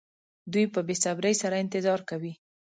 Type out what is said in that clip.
دوی په بې صبرۍ سره انتظار کوي.